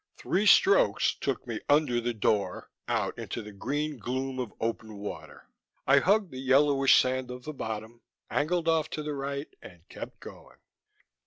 Three strokes took me under the door, out into the green gloom of open water. I hugged the yellowish sand of the bottom, angled off to the right, and kept going.